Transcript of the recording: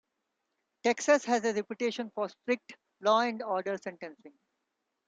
Texas has a reputation for strict "law and order" sentencing.